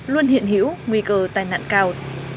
luôn hiện hiểu nguy cơ tai nạn cao